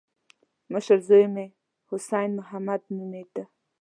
مشر زوی مې حسين محمد نومېده.